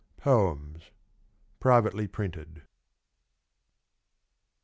POEMS. Privately printed.